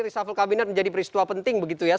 resafel kabinet menjadi peristua penting begitu ya